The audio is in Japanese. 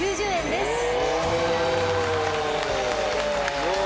すごい！